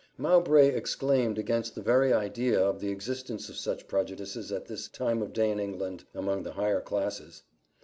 Mowbray exclaimed against the very idea of the existence of such prejudices at this time of day in England, among the higher classes.